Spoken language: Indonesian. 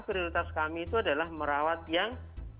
prioritas kami itu adalah merawat yang